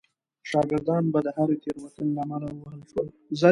شاګردان به د هرې تېروتنې له امله ووهل شول.